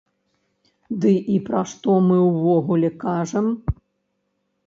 Ды і пра што мы ўвогуле кажам?!